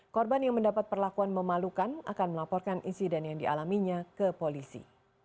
korban yang mendapat perlakuan memalukan akan melaporkan insiden yang dialaminya ke polisi